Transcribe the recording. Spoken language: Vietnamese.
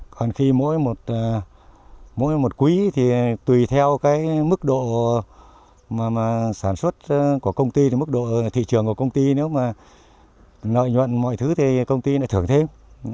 còn khi mỗi một quý thì tùy theo cái mức độ mà sản xuất của công ty thì mức độ thị trường của công ty nếu mà nợ nhuận mọi thứ thì công ty lại thưởng thêm